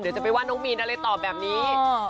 เดี๋ยวจะไปว่าน้องมีนอะไรตอบแบบนี้